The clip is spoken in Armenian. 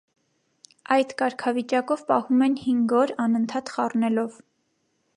Այդ կարգավիճակով պահում են հինգ օր՝ անընդհատ խառնելով։